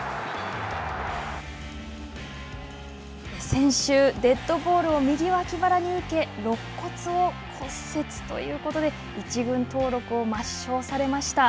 先週、デッドボールを右脇腹に受け、ろっ骨を骨折ということで、１軍登録を抹消されました。